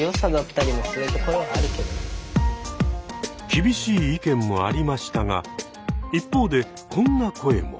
厳しい意見もありましたが一方でこんな声も。